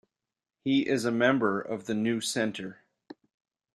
He is a member of the New Centre.